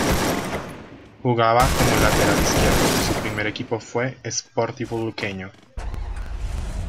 Jugaba como lateral izquierdo y su primer equipo fue Sportivo Luqueño.